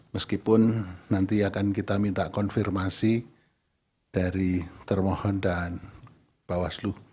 meskipun nanti akan kita minta konfirmasi dari termohon dan bawaslu